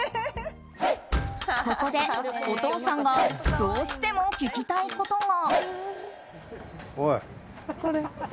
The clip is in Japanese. ここでお父さんがどうしても聞きたいことが。